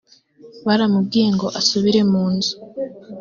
baramubwiye ngo asubire mu nzu